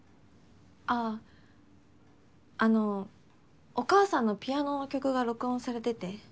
あああのお母さんのピアノの曲が録音されてて。